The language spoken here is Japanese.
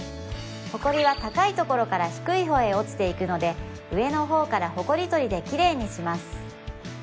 ホコリは高いところから低い方へ落ちていくので上の方からホコリ取りでキレイにします